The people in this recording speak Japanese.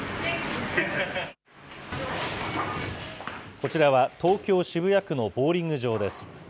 こちらは東京・渋谷区のボウリング場です。